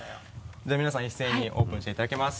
じゃあ皆さん一斉にオープンしていただきます。